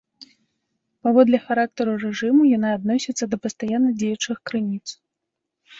Паводле характару рэжыму яна адносіцца да пастаянна дзеючых крыніц.